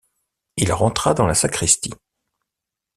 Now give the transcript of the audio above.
Il rentra dans la sacristie.